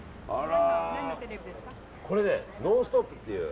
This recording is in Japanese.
「ノンストップ！」っていう。